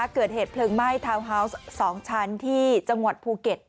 เกิดเหตุเพลิงไหม้ทาวน์ฮาวส์๒ชั้นที่จังหวัดภูเก็ต